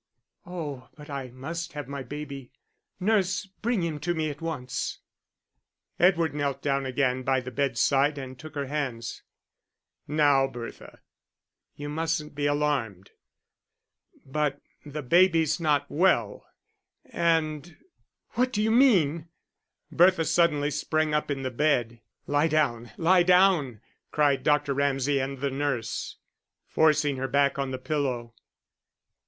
"Oh, but I must have my baby. Nurse, bring him to me at once." Edward knelt down again by the bedside and took her hands. "Now, Bertha, you musn't be alarmed, but the baby's not well, and " "What d'you mean?" Bertha suddenly sprang up in the bed. "Lie down. Lie down," cried Dr. Ramsay and the nurse, forcing her back on the pillow.